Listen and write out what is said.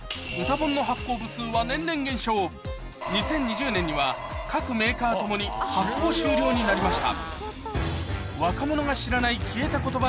便利なにより各メーカーともに発行終了になりました